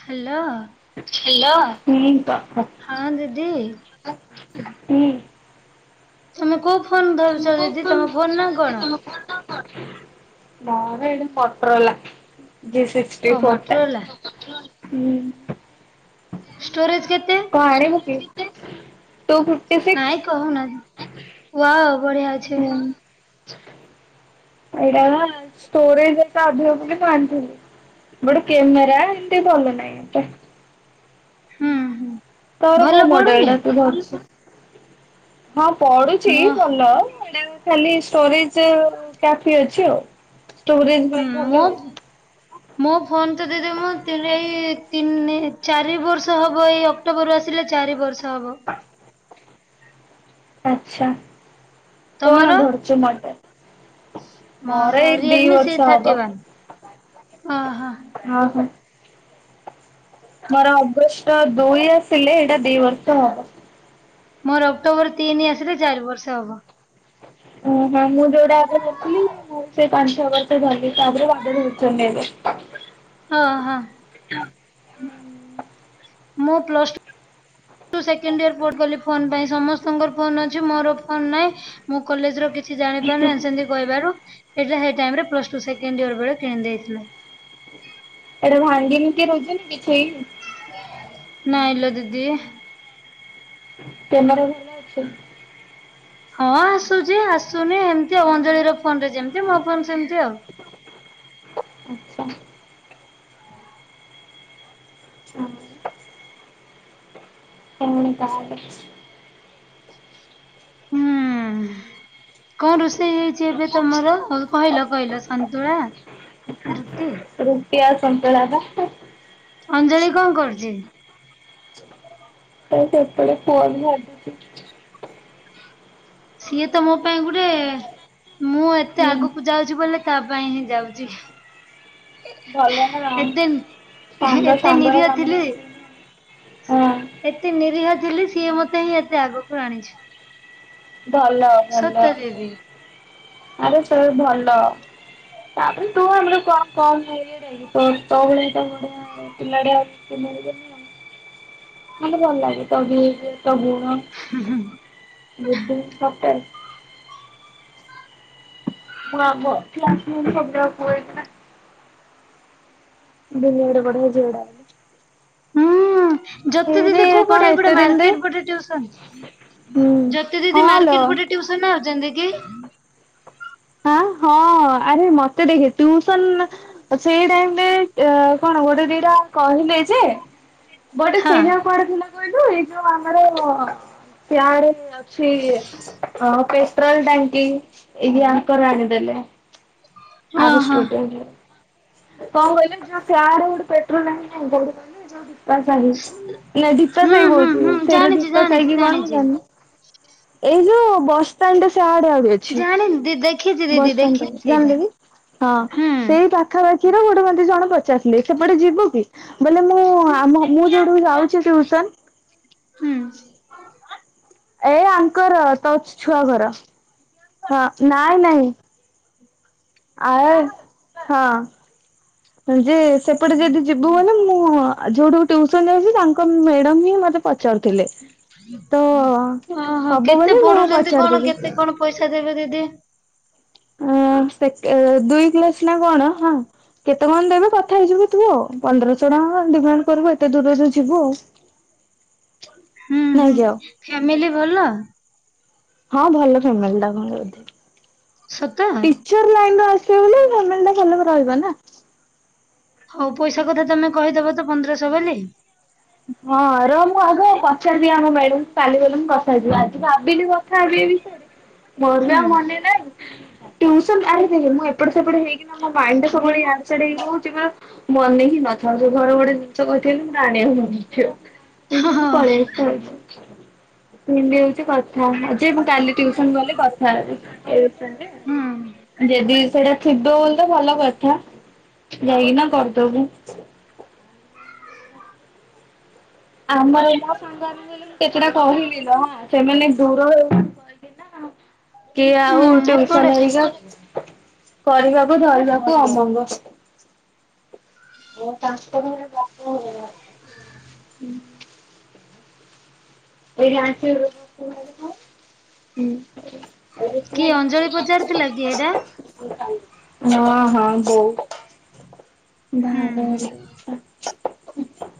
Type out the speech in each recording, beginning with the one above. Hello. Hello ହୁ କ ହଁ ଦିଦି। ହୁଁ। ତମେ କୋଉ ଫୋନ ଧରୁଛ ଦିଦି ତମେ ଫୋନ ନାଁ କଣ? ମର ଏଇନ ପଟରଲା। ଜି ଓ ସିକସଟି ଫୋର୍ ମଟରଲା ଟା। ଷ୍ଟୋରେଜ କେତେ? କଣ ଆଣିବୁ କି? ନାଇଁ କହୁ ନା ହ ବଢିଅଛି। ଏଇଟା ନା ଷ୍ଟୋରେଜ ଅଧିକ ବୋଲି ମୁଁ ଆଣିଥିଲି। ଗୋଟେ କ୍ୟାମେରା ଏମତି ଭଲ ନାହିଁ ଏତେ ହୁଁ ହୁଁ। ତୋର ଭଲ କୋଉ ମଡେଲ ପଡୁନି ଟା ତୁ ଧରୁଛୁ? ହଁ ପଡୁଛି ମୋ ଭଲ ଏଇଟା ଖାଲି ଷ୍ଟୋରେଜ କାଫି ଅଛି ଆଉ ଷ୍ଟୋରେଜ ପାଇଁ ହୁଁ ଭଲ ମୋ ଆଉ ମୋ ଫୋନ ତ ଦିଦି ମୁଁ ଣ ଏଇ ତିନି ଚାରି ବର୍ଷ ହବ ଏଇ ଅକ୍ଟୋବରରୁ ଆସିଲେ ଚାରି ବର୍ଷ ହବ। ଆଛା ତମର? କଣ ଧରୁଛୁ ମୋଡେଲ? ମୋର ରିୟଲିମ୍ ବର୍ଷ ସି ହବ। Thirty one. ଓ ହଁ। ମୋର ଅଗଷ୍ଟ ଦୁଇ ଆସିଲେ ଏଇଟା ଦି ବର୍ଷ ହବ। ମୋର ଅକ୍ଟୋବର ତିନି ଆସିଲେ ଚାରି ବର୍ଷ ହବ। ଓହଁ ମୁଁ ଯୋଉଟା ଆଗରୁ ଧରିଥଲି ମୁଁ ସେଇ ପାଞ୍ଚ ଛ ବର୍ଷ। ଭ ତାପରେ ବାବା ଧରୁଛନ୍ତି ଏଵେ। ହଁ ହଁ। ହୁଁ। ମୁଁ ପ୍ଲଟୁ ସେକେଣ୍ଡ ଇୟର ପଲି ଫୋନ ପାଇଁ ସମସ୍ତଙ୍କର ଫୋନ ଅଛି ମୋର ଫୋନ ନାହିଁ ମୁଁ କଲେଜ କି କିଛି ଜାଣିପାରୁ ନାଁ ସେମିତି କହିବାରୁ ଏ ସେ ଟାଇମ୍ ରେ ସେଣ୍ଡେ କିଣିଦେଥିଲେ। ଏଟା ଭାଙ୍ଗି କି [inaudible] ନାଇଁ ଲୋ ଦିଦି। କ୍ୟାମେରା ଅଛି ହଁ ଆସୁଛି ଆସୁ। ଶୁନି ଏମତି ଆଉ ଅଞ୍ଜଳି ର ଫୋନରେ ଯେମିତି ମୋ ଫୋନ ସେମିତି ଆଉ। [unintelligible] [unintelligible] ଏମିତି ତାହେଲେ ହୁଁ। କଣ ରୋଷେଇ ହେଇଛି ଏବେ ତମର କହିଲ କହିଲ ସନ୍ତୁଳା। ରୁଟି ରୁଟି ଆଉ ସନ୍ତୁଳା ବା। ଅଞ୍ଜଳି କଣ କରୁଛି? ଏ ସେପଟେ ପୁଅ କୁ ଧରିଛି। ସିଏ ତ ମୋ ପାଇଁ ଗୋଟେ ମୁଁ ଏତେ ହୁଁ ଆଗକୁ ଯାଉଛି ବୋଲି ତା ପାଇଁ ହିଁ ଯାଉଛି। ଭଲ ନା ଏତେ ସାଙ୍ଗ ଏତେ ସାଙ୍ଗର ନିରିହ କାମରେ ଥିଲେ ଅଛି। ହଁ ଏତେ ନିରୀହା ଥିଲେ ସିଏ ମତେ ହିଁ ଏତେ ଆଗକୁ ଆଣିଛି। ଭଲ ସତ ଭଲ ଦିଦି ଆରେ ସେ ଭଲ। ତାପରେ ତୁ ଆମର କଣ କମ ହେଇସ୍ତ ଭଳିଆ ଗଡଆ ପିଲାଡିଆ ଆ [inaudible] [inaudible] ମତେ ଭଲ ଲାଗେ ତ ବି ତ ଗୁଣ ଗୁ ସବଟେ [unintelligible] [unintelligible] ହୁଁ ଜ୍ୟୋତି ଏଇରେ ଦିଦି କୋଉ ପଟେ କଣ ଏପଟେ ଏତେ ଦିନରେ ମାର୍କେଟ ପଟେ ଟ୍ୟୁସନ। ହୁଁ। ଜ୍ୟୋତି ଦିଦି ହଁ ଲୋ ମାର୍କେଟ ପଟେ ଟ୍ୟୁସନ ଯାଉଛନ୍ତି କି? ଆ ହଁ ଆରେ ମତେ ଟ୍ୟୁସନ ସେଇ ଟାଇରେ କଣ ଗୋଟେ ଦିଟା କହିଲେ ଯେ ଗୋଟେ ହଁ ସିଆ କୁଆଡେ ଥିଲା କହି ଏ ଯୋଉ ଆମର ଚେୟାର ଅଛି ଆଁ ସେ ପେଟ୍ରୋଲ ଟାଙ୍କି ଇ ଆଙ୍କର ଆଣିଦେଲେ। ଆର ଓହୋ ଷ୍ଟୁଡିଓ କଣ କହିଲେ ଫ୍ୟାର ଗୋଟେ ପେଟ୍ରୋଲ ଟାଙ୍କି ନାହିଁ ଖାଲି ଦୀପା ହୁଁ ସେଇ ହୁଁ କହୁଛି ହୁଁ ସେରା ଜାଣିଛି ଜୋତା ଜାଣିଛି ସାହୀକି କଣ ମୁଁ ଜାଣିଛି। ଜାଣିନି। [inaudible] ଏଇ ଯୋଉ ବସ୍‌ ଷ୍ଟାଣ୍ଡ ସେ ଆଡେ ଆଡେ ଅଛି ଜାଣିନି ଦି ଦେଖିଛି ଦିଦି ବସ୍ ଷ୍ଟାଣ୍ଡ ଦେଖିଛି ସେଇଟା ଜାଣିଲେ କି? ହଁ ହୁଁ ସେଇ ପାଖାପାଖିର ଗୋଟେ ମନ୍ତି ଜଣ ପଚାରଥିଲେ ସେପଟେ ଯିବୁ କି? ବଲେ ମୁଁ ମୁଁ ଯୋଉଠ ଯାଉଛି ଟ୍ୟୁସନ ହୁଁ। ଏ ଆଙ୍କର ତୋ ଛୁଆ ଘର ହ ନାଇଁ ନାଇଁ। ଆ ହଁ ଯେ ସେପଟେ ଯଦି ଯିବୁ ଗଲେ ମୁଁ ଯୋଉଠୁ ଟ୍ୟୁସନ ଯାଉଛି ତାଙ୍କ ମ୍ୟାଡାମ୍ ହିଁ ମତେ ପଚାରୁ ଥିଲେ ତ ଓହୋ ହବ ବୋଲି ମୁଁ ପଚାରିଦେଲି। ଆଚ୍ଛା ଦେବେ ଦିଦି। ଦୁଇ କ୍ଲାସ ନା କଣ ହଁ। କେତେ କଣ ଦେବେ କଥା ହେଇଯିବ ତୁ ଆଉ ପନ୍ଦରଶହ ଟଙ୍କା ଡିମାଣ୍ଡ କରିବୁ ଏତେ ଦୂରରୁ ଯିବୁ ଆଉ ଆ ହୁଁ ହୁଁ ନେଇକି ଆଉ ଫ୍ୟାମିଲି ଭଲ। ହଁ ଭଲ ଫ୍ୟାମିଲି ଟା ତାଙ୍କର ଥିଲା। ସତ? ଟିଚର ଲାଇନ୍‌ ରୁ ଆସିବ ବୋଲି [unintelligible] ନା ହୋଉ ପଇସା କଥା ତମେ କହିଦବ ତ ପନ୍ଦରଶହ ବୋଲି। ହଁ ର ମୁଁ ଆଗ ପଚାରିବି ଆମ ମ୍ୟାଡମ୍ କାଲି ଗଲେ ମୁଁ ପଚାର ଯିବି ଆଜି ଭାବିଲି କଥା ହେବି। ବିଷୟରେ ମରୁ ହୁଁ ଆ ମନେ ନାଇଁ ଟ୍ୟୁସନ ଟାଇମ୍ ହେଇଗଲା ମୁଁ ଏପଟ ସେପଟ ହେଇକି ନା ମୋ ଲାଇନ୍‌ ଟା ସବୁବେଳେ ଇଆଡ଼େ ସିଆଡେ ହେଇକି ରହୁଛି ମାନେ ମୁଁ ଅନେଇକି ହୋଉ ଘର ଗୋଟେ ଜିଷ କହିଥିଲି ଆଣିବା [unintelligible] ହଁ ହଁ ହଁ ଯେ ମୁଁ କାଲି ଟ୍ୟୁସନ ଗଲେ କଥା ହୁଁ ହେଵି ଯଦି ସେଟା ଥିବ ବୋଲି ତ ଭଲ କଥା ଯାଇକିନା କରିଦବୁ। [inaudible] ଆମର ଏ ସାଙ୍ଗରେ କେତେଟା କହିଲି ନା ସେମାନେ ଦୂର କିଏ ହୁଁ ଆଉ ଟ୍ୟୁସନ୍ ଏପଟେ ହେଇଗ କରିବାକୁ ଧରିବାକୁ ଅମଙ୍ଗ। ମୋର ଟ୍ରାନ୍ସପୋର ହେଲେ କଣ [inaudible] ଏଇଠି [unintelligible] ହୁଁ। କିଏ ଅଞ୍ଜଳି ପଚାରିଥିଲା କି ଏଇଟା [unintelligible] ହଁ ହଁ ବୋଉ। ହୁଁ ଭାରତ।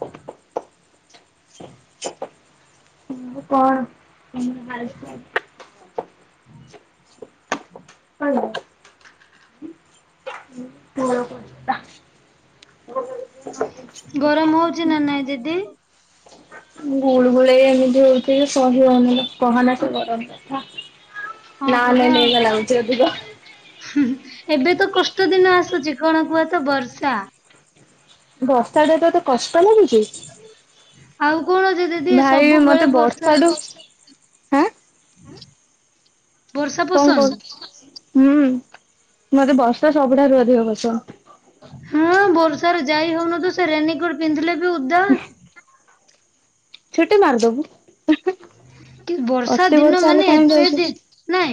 ହୁଁ ସବୁ କଣ ତମର ହାଲ ଚାଲ? ହୁଁ ହ ହ ହ ଗରମ ହଉଛି ନା ନାଇଁ ଦିଦି। ଗୁଳୁଗୁଳି ଏମିତି ହଉଛି ସହି ହଉନି କହନା ସେ ଗରମ କଥା। ହଁ ନା ପରା ନେ [inaudible] ଲାଗୁଚି ଅଧିକ। ଏବେ ତ କଷ୍ଟ ଦିନ ଆସୁଛି କଣ କୁହ ତ ବର୍ଷା। ବର୍ଷା ଟେ ତତେ କଷ୍ଟ ଲାଗୁଛି ଆଉ କଣ ଯେ ଦିଦି ଭାଇ ମତେ ବର୍ଷ ତା ଠୁ। ଉଁ। କଣ କଣ ହୁଁ ମତେ ବର୍ଷା ସବୁଠାରୁ ଅଧିକ ପସନ୍ଦ। ହଁ ବର୍ଷାରେ ଯାଇ ହଉନଥିବ ସେ ରେନିକୋଟ ପିନ୍ଧିଲେ ବି ଉଦା। ଛୁଟି ମାରିଦବୁ। କି ବର୍ଷା ଅତି ଦିନ ହେଲେ ମାନେ କାହିଁକି ଏତେ ରହିଛୁ ଦେ ନାଇଁ।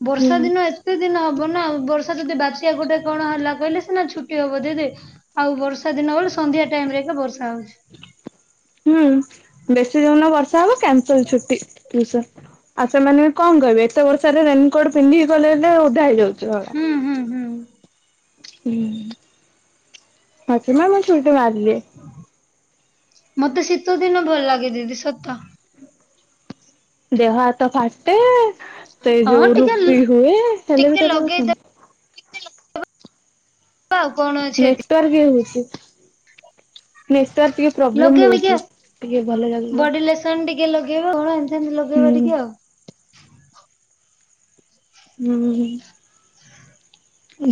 ତୁ ବର୍ଷା ହୁଁ। ଦିନ ଏତେ ଦିନ ହବ ବର୍ଷା ଯଦି ବାତ୍ୟା ଗୋଟେ କଣ ହେଲା କହିଲେ ସିନା ଛୁଟି ହବ ଦିଦି ଆଉ ବର୍ଷା ଦିନ ବେଳେ ସ ସନ୍ଧ୍ୟା ଟାଇମ ରେ ଏକା ବର୍ଷା ହଉଛି। ହୁଁ ବେଶୀ ଯଉଦିନ ବର୍ଷା ହବ କ୍ୟାନସଲ ଛୁଟି ଟିଉସନ୍। ଆଉ ସେମାନେ କଣ କହିବେ ଏତେ ବର୍ଷା ରେ ରେନକୋଟ। ପିନ୍ଧି ଗଲେ ହେଲେ ଉଦା ହେଇଯାଉଚୁ ଶଳା। ହୁଁ ହୁଁ ହୁଁ ହୁଁ ଅଛି ମ ମୁଁ ଛୁଟି ମାରିଦିଏ। ମତେ ଶୀତ ଦିନ ଭଲ ଲାଗେ ଦିଦି ସତ। ଦେହ ହା ତ ଫାଟେ ସେ ହଁ ଯୋଉ ଟିକେ ରୁପି ଲ- ହୁଏ ହେଲେ ବି ଟିକେ ତତେ ଲଗେଇଦବା ପସନ୍ଦ। ଆଉ କଣ ଅଛି ଏଥି ନେଟୱାର୍କ ଇଏ ହଉଛି। ନେଟୱାର୍କ ଟିକେ ପ୍ରୋବ୍ଲେମ ଲଗେଇବ ଟିକେ ରହୁଛି ଟିକେ ଭଲ ଲାଗିବ। ବଡି ଲେସନ ଟିକେ ଲଗେଇବା କଣ ଏମିତି ଏମିତି ଲଗେଇବା ଟିକେ ଆଉ। ହୁଁ।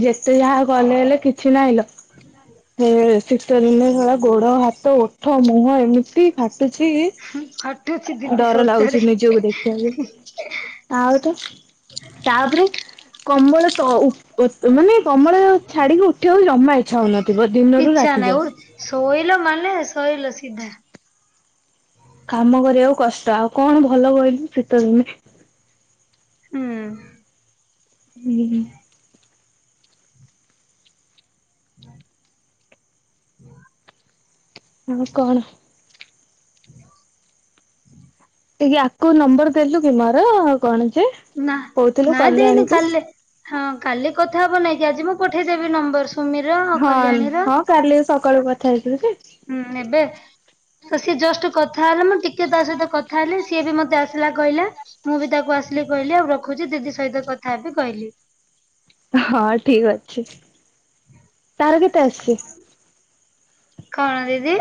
ଯେତେ ଯାହା କଲେ ହେଲେ କିଛି ନାହିଁ ଲୋ ହେ। ଶୀତ ଦିନେ ଶଳା ଗୋଡ ହାତ ଓଠ ମୁହଁ ଏମିତି ଫା ଟୁଛି ହୁଁ, ଫାଟୁଛି ଦିଦି ଡର ସତରେ ଲାଗୁଛି ନିଜକୁ ଦେଖିବାକୁ। ଆଉ ତ ତାପରେ କମ୍ବଳ କ ଉପ ତ ମାନେ। କମ୍ୱଳ ଛାଡିକି ଉଠିବାକୁ ଜମା ଇଚ୍ଛା ହଉନଥିବ ଦିନରୁ ରାତି ଯାଏଁ। ଧଇଲ ମାନେ ଶୋଇଲ ସିଧା। କାମ କରିବାକୁ କଷ୍ଟ ଆଉ କଣ ଭଲ କହିଲୁ ଶୀତ ଦିନେ। ହୁଁ। ହୁଁ। [unintelligible] ଆଉ କଣ। [unintelligible] ଟିକେ ୟାକୁ ନମ୍ବର ଦେଲୁ କି ମୋର କଣ। ଯେ ନା କହୁଥିଲୁ ନା ଦେଇନି କଲ୍ୟାଣୀକୁ କାଲି ହଁ କାଲି କଥା ହବ ନେଇ କି ଆଜି ମୁଁ ପଠେଇ ଦେବି ନମ୍ବର ସ ହଁ ହଁ କାଲି ସକାଳୁ କଥା ହେଇଥିଲୁ କି। ହୁଁ ଏବେ ତ ସିଏ ଜଷ୍ଟ କଥା ହେଲା ମୁଁ ଟିକେ ତା ସହିତ କଥା ହେଲି ସିଏ ବି ମତେ ଆସିଲା କହିଲା ମୁଁ ବି ତାକୁ ଆସିଲି କହିଲି ଆଉ ରଖୁ ଦିଦି ସହିତ କଥା ହେବି କହିଲି। ହଁ ଠିକ ଅଛି ତାର କେତେ ଆସିଚି। କଣ ଦିଦି।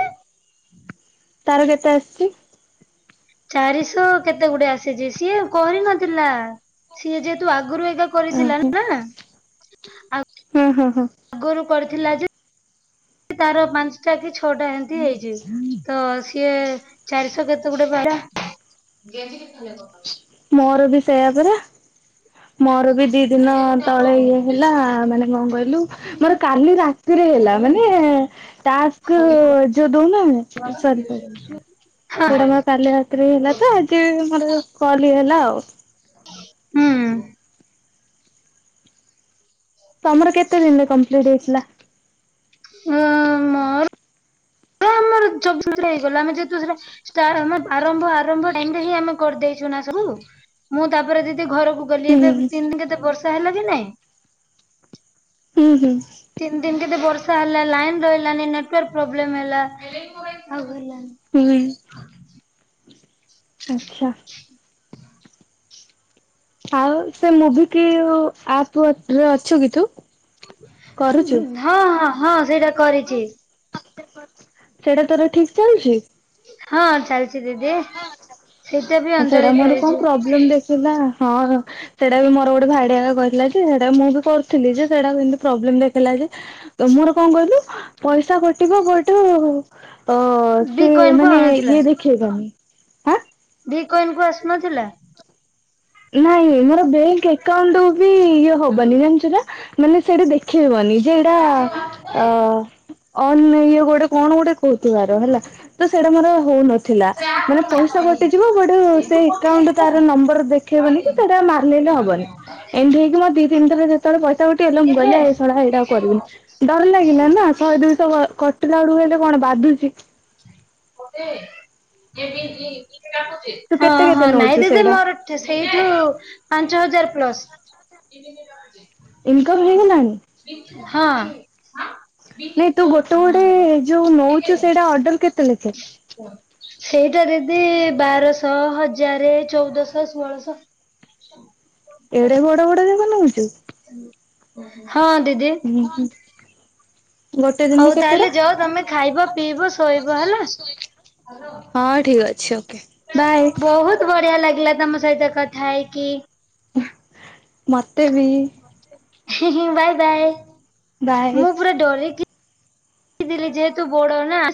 ତାର କେତେ ଆସିଚି? ଚାରିଶହ କେତେ ଗୁଟେ ଆସିଛି ସିଏ କରିନଥିଲା ସିଏ ଯେହେତୁ ଆ ଆଗରୁ ଏଇଟା କରିଥିଲା ଓହୋ ନା ହଁ ହଁ ହଁ ଆଗରୁ କରି ଥିଲା ଯେ ତାର ପାଞ୍ଚଟା କି ଛଅଟା ଏମିତି ହେଇଛିି ତ ସିଏ ଚାରିଶହ କେତେ ଗୁଟେ ପାରା। ମୋର ବି ସେୟା ପରା ମୋର ବି ବି ଦି ଦିନ ତଳେ ଇଏ ହେଲା ମାନେ କଣ କହିଲୁ ମୋର କାଲି ରାତିରେ ହେଲା ମାନେ [unintelligible] ସେଇଟା ମୋର କାଲି ରାତିିରେ ହେଲା ତ ଆଜି ମୋର କଲି ହେଲା ଆଉ। ହୁଁ। ତମର କେତେ ଦିନରେ କମ୍ପ୍ଲିଟ ହେଇଥିଲା? ମୋର ଜଲଦି ହେଇଗଲା ଆମେ ଯେହେତୁ ହେଲା ଷ୍ଟାର ହେଲା ଆରମ୍ଭ ଆରମ୍ଭ ଟାଇମଟା ଆମେ କରିଦେଇଚୁ ନା ସବୁ, ମୁଁ ତାପରେ ଦିଦି ଘରକୁ ଗଲି ହୁଁ ଏବେ ତିନି ଦିନ କେତେ ବର୍ଷା ହେଲା କି ନାଇଁ ହୁଁ ହୁଁ ତିନି ଦିନ ବର୍ଷାକେତେ ହେଲା ଲାଇନ ରହିଲାନି ନେଟୱାର୍କ ପ୍ରୋବ୍ଲେମ ହେଲା [unintelligible] ହୁଁଉଁ। ଆଛା। ଆଉ ସେ ମୁଭିିକି ଉ ଆ ତୁ ତୁରେ ଅଛୁ କି ତୁ ହଁ କରୁଚୁ। ହଁ ହଁ ସେଇଟା କରିଚି। ସେଇଟା ତୋର ଠିକ ଚାଲିଛି। ହଁ ଚାଲିଛି ଦିଦି ସେଇଟା ବି ସେଇଟା ଅଞ୍ଜଳି ମୋର କଣ କହିଚି। ପ୍ରୋବ୍ଲେମ ଦେଖିଲା ହଁ ସେଇଟା ବି ମୋର ଗୋଟେ ଭାଇ ଟେ ଆକା କହିଥିଲା ହେରା ମୁଁ ଏବେ କରୁଥିଲି ଯେ ସେଟା ସେମତି ପ୍ରୋବ୍ଲେମ ଦେଖେଇଲା ଯେ ମୋର କଣ କହିଲୁ ପଇସା ଗୋ କଟିବ ବଟ ବି ସେ କଏନ କୁ ମାନେ ଆଉନଥିଲା ଇଏ ଦେଖେଇବନି ଆଁ ଭିକୋଇନ କୁ ଆସୁନଥିଲା। ନାଇଁ ମୋର ବ୍ୟାଙ୍କ ଏକଉଣ୍ଟ ବି ଇଏ ହବନି ଜାଣିଛୁ ନା? ମାନେ ସେଇଟା ଦେଖେଇବନି ଯେ ଏଇଟା ଅ ଅ ଇଏ ଗୋଟେ କଣ ଗୋଟେ କହୁଥିବାର ହେଲା ତ ସେଇଟା ମୋର ହଉନ ଥିଲା ମାନେ ପଇସା କଟିଯିବ ବଟ ସେ ଏକଉଣ୍ଟ ତାର ନମ୍ବର ଦେଖେଇବନି କି ସେଇଟା ମାରିଲେଲେ ହବନି। ଏମିତି ହେଇକି ମୋ ଦି ତିନି ଥରେ ଯେତେବେଳେ ପଇସା ଉଠିଗଲା ମୁଁ କହିଲି ଏଶଳା ଏଇଟା ଆଉ କରିବିନି ଡର ଲାଗିଲା ନା। ଶହେ ଦୁଇଶହ କଟିଲା ବେଡକୁ ହେଲେ କଣ ବାଧୁଚି। ତୁ [inaudible] ହଁ କେତେ କେତେ ହଁ ନାଇଁ ନଉଛୁ ଦିଦି ସେଇଟା ମୋର ସେଇଠୁ ପାଞ୍ଚ ହଜାର ପ୍ଲସ। ଇନକମ ହେଇଗଲାଣି? ନାଇଁ ତୁ ଗୋଟେ ଗୋଟେ ଯୋଉ ନଉଚୁ ସେଇଟା ଅର୍ଡର କେ ସେଇଟାରେ ବି ବାରଶହ ହଜାରେ ଚଉଦଶହ ସୋହଳଶ ଏଡ଼େ ବଡ ବଡ ଯାଗ ନଉଚୁ। ହଁ ଦିଦି। ଗୋଟେ ଦିନରେ ହଉ କେତେଟା? ତାହେଲେ ଜଅ ତମେ ଖାଇବ ପିଇବ ଶୋଇବ ହେଲା। ହଁ ଠିକ ଅଛି। ଓକେ। ବାଏ ବହୁତ ବଢିଆ ଲାଗିଲା ତମ ସହିତ କଥା ହେଇକି। ମତେ ବି ବାଏ ବାଏ ବାଏ। ମୁଁ ପୁରା ଡରେଇକି ଥିଲି ଯେହେତୁ ବଡ ନା।